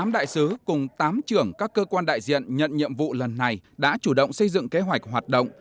tám đại sứ cùng tám trưởng các cơ quan đại diện nhận nhiệm vụ lần này đã chủ động xây dựng kế hoạch hoạt động